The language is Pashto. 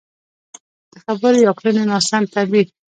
د خبرو يا کړنو ناسم تعبير.